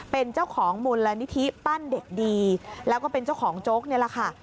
เป็นเจ้าของมูลนิธิปั้นเด็กดีแล้วก็เป็นเจ้าของโจ๊กนี่แหละค่ะ